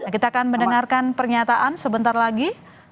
kita akan mendengarkan pernyataan sebentar lagi